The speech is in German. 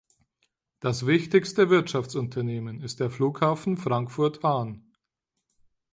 Das wichtigste Wirtschaftsunternehmen ist der Flughafen Frankfurt-Hahn.